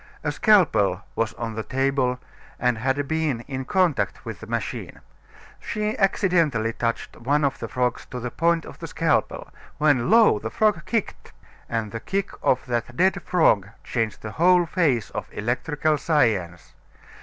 A scalpel was on the table and had been in contact with the machine. She accidentally touched one of the frogs to the point of the scalpel, when, lo! the frog kicked, and the kick of that dead frog changed the whole face of electrical science.